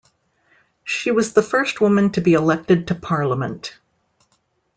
She was the first woman to be elected to parliament.